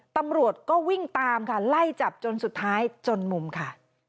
ตำรวจก็วิ่งตามค่ะไล่จับจนสุดท้ายจนมุมค่ะ